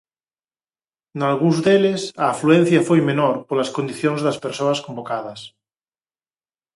Nalgúns deles a afluencia foi menor polas condicións das persoas convocadas.